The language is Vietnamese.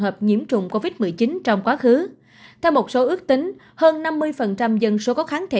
phát triển chống dịch covid một mươi chín trong quá khứ theo một số ước tính hơn năm mươi dân số có kháng thể